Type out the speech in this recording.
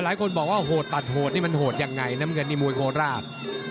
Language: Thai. หลายคนบอกว่าโหดตัดโหดนี่มันโหดอย่างไรนะเมื่อกี้มุยโคลาศ